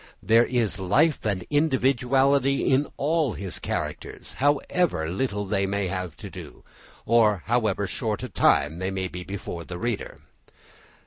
There is life and individuality in all his characters, however little they may have to do, or however short a time they may be before the reader.